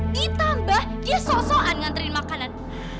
ditambah dia sok soan nganterin makanan